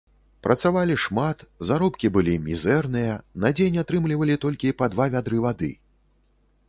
Працавалі шмат, заробкі былі мізэрныя, на дзень атрымлівалі толькі па два вядры вады.